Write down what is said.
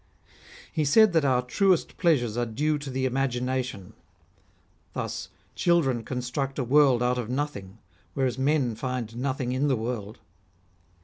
He said that our truest pleasures are due to the imagination. Thus, children construct a world out of nothing, whereas men find nothing in the world.